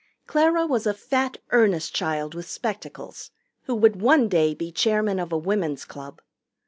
Clara was a fat, earnest child with spectacles, who would one day be chairman of a Women's Club.